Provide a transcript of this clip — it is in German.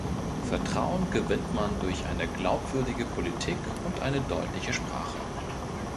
Vertrauen gewinnt man durch eine glaubwürdige Politik und eine deutliche Sprache.